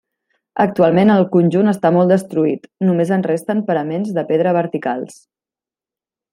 Actualment, el conjunt està molt destruït, només en resten paraments de pedra verticals.